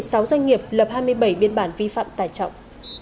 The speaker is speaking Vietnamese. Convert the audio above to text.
một mươi sáu doanh nghiệp lập hai mươi bảy biên bản vi phạm tải trọng